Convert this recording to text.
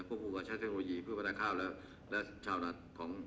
ควบคู่กันใช้เทคโนโลยีเพื่อกระทะคราบและชาวหน้าไทย